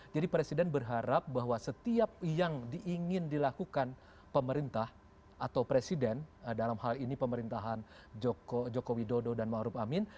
jadi presiden berharap bahwa setiap yang diingin dilakukan pemerintah atau presiden dalam hal ini pemerintahan joko widodo dan ma'ruf amin